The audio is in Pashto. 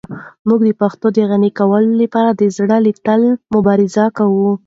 موږ د پښتو د غني کولو لپاره د زړه له تله مبارزه کوو.